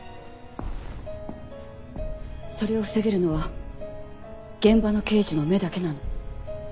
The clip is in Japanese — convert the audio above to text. それを防げるのは現場の刑事の目だけなの。